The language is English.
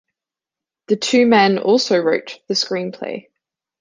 The two men also wrote the screenplay.